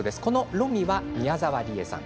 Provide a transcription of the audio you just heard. ロミは、宮沢りえさん